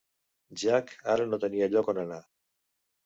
Jack ara no tenia lloc on anar.